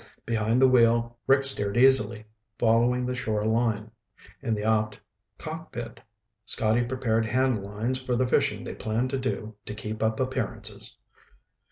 Behind the wheel, Rick steered easily, following the shore line. In the aft cockpit, Scotty prepared hand lines for the fishing they planned to do to keep up appearances.